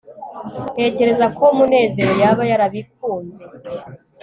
ntekereza ko munezero yaba yarabikunze